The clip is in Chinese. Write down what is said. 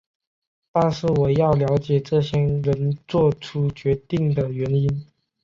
但是我要了解这些人作出决定的原因。